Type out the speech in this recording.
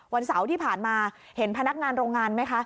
วันเสาร์ที่ผ่านมาเห็นพนักงานโรงงานไหมคะ